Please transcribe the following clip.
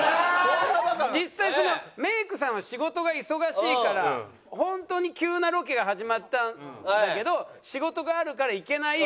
実際メイクさんは仕事が忙しいから本当に急なロケが始まったんだけど仕事があるから行けない。